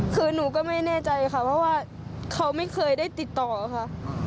คือหนูก็ไม่แน่ใจค่ะเพราะว่าเขาไม่เคยได้ติดต่อค่ะ